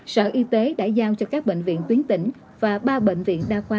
sở y tế đã giao cho các bệnh viện tuyến tỉnh và ba bệnh viện đa khoa